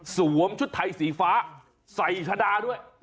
ชุดไทยสีฟ้าใส่ชะดาด้วย